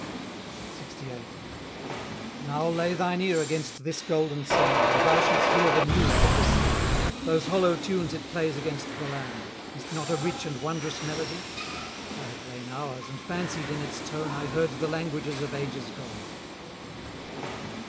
LXVIII. "Now, lay thine ear against this golden sand, And thou shalt hear the music of the sea, Those hollow tunes it plays against the land, Is't not a rich and wondrous melody? I have lain hours, and fancied in its tone I heard the languages of ages gone!"